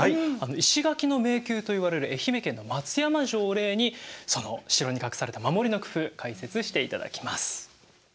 石垣の迷宮といわれる愛媛県の松山城を例にその城に隠された守りの工夫解説していただきます。